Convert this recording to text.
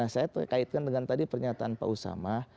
saya kaitkan dengan tadi pernyataan pak usama